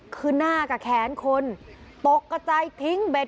คือหน้ากับแขนคนตกกระจายทิ้งเบ็ด